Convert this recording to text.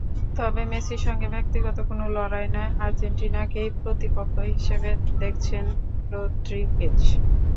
তবে মেসির সঙ্গে ব্যক্তিগত কোনো লড়াই নয়, আর্জেন্টিনাকেই প্রতিপক্ষ হিসেবে দেখছেন রদ্রিগেজ।